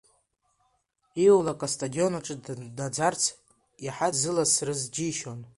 Ииулак астадион аҿы днаӡарц, иаҳа дзыласрыз џьишьон.